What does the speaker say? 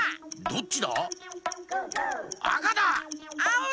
どっちだ？